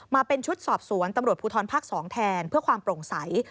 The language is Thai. มาเป็นชุดสอบสวนตำรวจภูทรภาค๒แทนเพื่อความโปร่งใส